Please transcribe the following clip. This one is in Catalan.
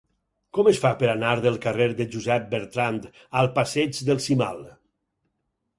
Com es fa per anar del carrer de Josep Bertrand al passeig del Cimal?